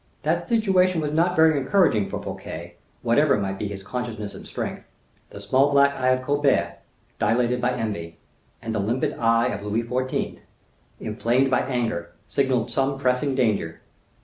That situation was not very encouraging for Fouquet, whatever might be his consciousness of strength. The small black eye of Colbert, dilated by envy, and the limpid eye of Louis XIV. inflamed by anger, signalled some pressing danger.